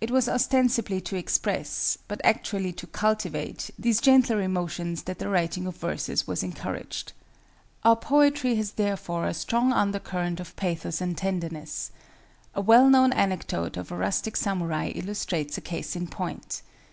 It was ostensibly to express, but actually to cultivate, these gentler emotions that the writing of verses was encouraged. Our poetry has therefore a strong undercurrent of pathos and tenderness. A well known anecdote of a rustic samurai illustrates a case in point.